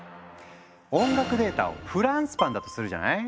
音楽データをフランスパンだとするじゃない？